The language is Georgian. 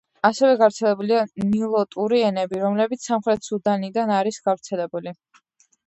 ასევე გავრცელებულია ნილოტური ენები, რომლებიც სამხრეთ სუდანიდან არის გავრცელებული.